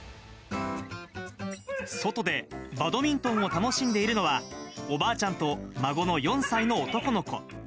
外でバドミントンを楽しんでいるのは、おばあちゃんと孫の４歳の男の子。